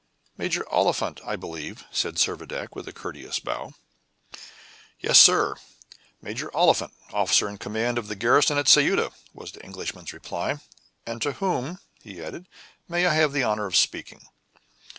"Major Oliphant, I believe?" said Servadac, with a courteous bow. "Yes, sir, Major Oliphant, officer in command of the garrison at Ceuta," was the Englishman's reply. "And to whom," he added, "may I have the honor of speaking?"